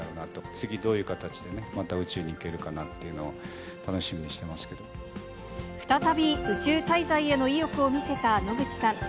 次どういう形でね、また宇宙に行けるかなってい再び宇宙滞在への意欲を見せた野口さん。